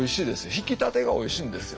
ひきたてがおいしいんですよ。